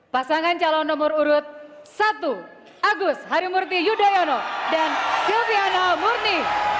pasangan calon nomor urut satu agus harimurti yudhoyono dan silviana murni